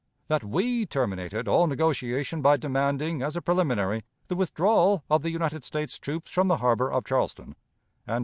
That we terminated all negotiation by demanding, as a preliminary, the withdrawal of the United States troops from the harbor of Charleston; and, 2.